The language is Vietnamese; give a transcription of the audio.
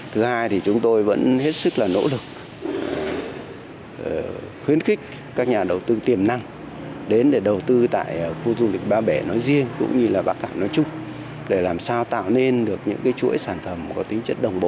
thứ hai thì chúng tôi vẫn hết sức là nỗ lực khuyến khích các nhà đầu tư tiềm năng đến để đầu tư tại khu du lịch ba bể nói riêng cũng như là bắc cạn nói chung để làm sao tạo nên được những chuỗi sản phẩm có tính chất đồng bộ